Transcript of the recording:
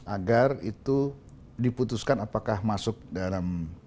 agar itu diputuskan apakah masuk dalam